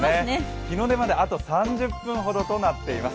日の出まであと３０分ほどとなっています。